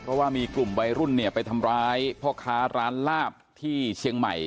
เพราะว่ามีกลุ่มวัยรุ่นเนี่ยไปทำร้ายพ่อค้าร้านลาบที่เชียงใหม่